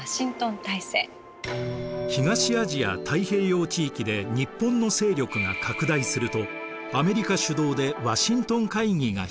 東アジア・太平洋地域で日本の勢力が拡大するとアメリカ主導でワシントン会議が開かれました。